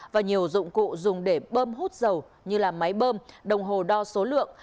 và nhiều dụng cụ dùng để bơm hút dầu như máy bơm đồng hồ đo số lượng